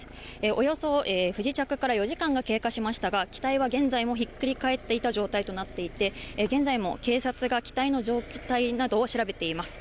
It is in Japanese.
およそ不時着から４時間が経過しましたが、機体は現在もひっくり返っていた状態となっていて、現在も警察が、機体の状態などを調べています。